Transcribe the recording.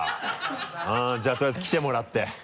じゃあとりあえず来てもらって。